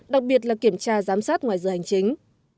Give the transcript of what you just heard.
đặc biệt là kiểm tra giám sát ngoài giờ hành chính